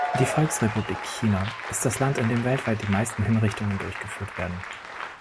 Die Volksrepublik China ist das Land, in dem weltweit die meisten Hinrichtungen durchgeführt werden.